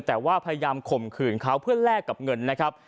แต่ว่าพยายามข่มขืนเขาเพื่อแลกกับเงินนะครับ